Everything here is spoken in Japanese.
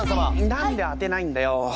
何で当てないんだよ。